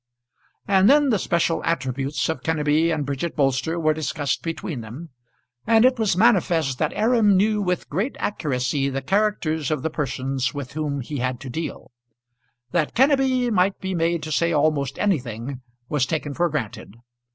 And then the special attributes of Kenneby and Bridget Bolster were discussed between them, and it was manifest that Aram knew with great accuracy the characters of the persons with whom he had to deal. That Kenneby might be made to say almost anything was taken for granted.